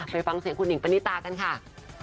ไปฟังเสียงคุณหญิงปณิตากันค่ะ